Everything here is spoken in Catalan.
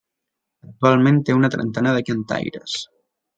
Actualment té una trentena de cantaires.